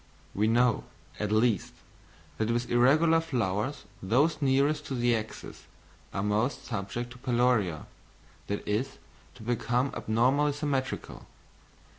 We know, at least, that with irregular flowers those nearest to the axis are most subject to peloria, that is to become abnormally symmetrical.